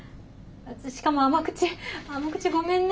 しかも甘口甘口ごめんね。